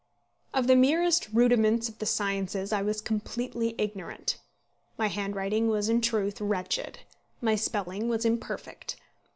Of the merest rudiments of the sciences I was completely ignorant. My handwriting was in truth wretched. My spelling was imperfect.